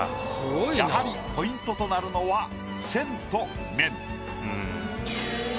やはりポイントとなるのは線と面。